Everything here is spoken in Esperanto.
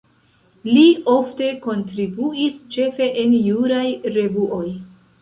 Li ofte kontribuis ĉefe en juraj revuoj.